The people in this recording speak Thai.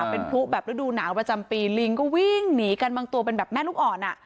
เป็นพลุแบบฤดูหนาวประจำปีลิงก็วิ่งหนีกันบางตัวเป็นแบบแม่ลูกอ่อนอ่ะ